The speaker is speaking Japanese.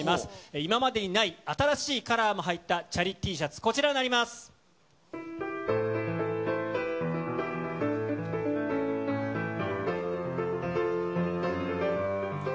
今までにない新しいカラーも入ったチャリＴシャツ、こちらになります。